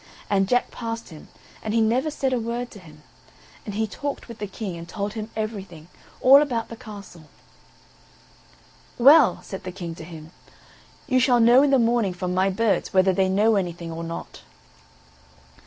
And Jack passed him, and he never said a word to him; and he talked with the King, and told him everything, all about the castle. "Well," said the King to him, "you shall know in the morning from my birds, whether they know anything or not."